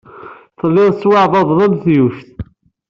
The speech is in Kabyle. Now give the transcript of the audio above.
Tellid tettwaɛebded am tyuct.